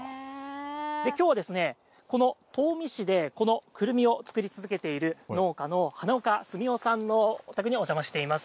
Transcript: きょうはですね、この東御市でこのくるみを作り続けている農家の花岡澄雄さんのお宅にお邪魔しています。